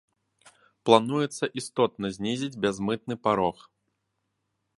Плануецца істотна знізіць бязмытны парог.